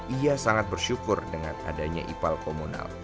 ia sangat bersyukur dengan adanya ipal komunal